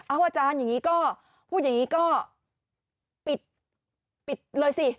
อาจารย์พูดอย่างนี้ก็ปิดเลยสิ